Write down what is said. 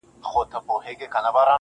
په دغسي شېبو كي عام اوخاص اړوي سـترگي,